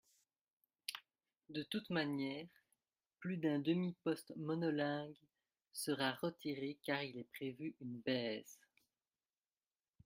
De toutes manières plus d’un demi poste monolingue sera retiré car il est prévu une baisse.